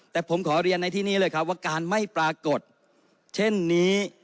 แต่ผมขอเรียนในที่นี้เลยครับว่าการไม่ปรากฏเช่นนี้